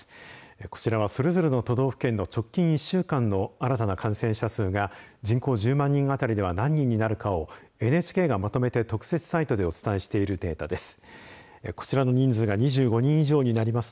こちらは、それぞれの都道府県の直近１週間の新たな感染者数が人口１０万人あたりでは何人になるかをＮＨＫがまとめて特設サイトでお伝えしているデータです。